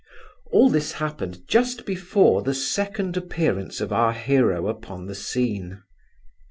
All this happened just before the second appearance of our hero upon the scene.